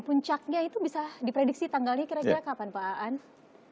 prediksi tanggalnya kira kira kapan pak aan